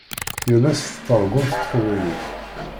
Yal ass tettargumt s teqbaylit.